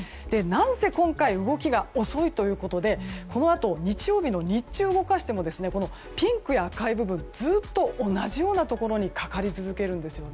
何せ今回動きが遅いということでこのあと日曜日の日中を動かしてもピンクや赤い部分ずっと同じようなところにかかり続けるんですよね。